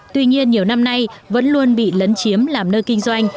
tuy nhiên nhiều năm nay vẫn luôn bị lấn chiếm làm nơi kinh doanh